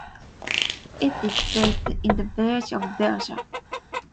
It is based in the village of Berga.